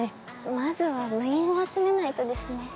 まずは部員を集めないとですね。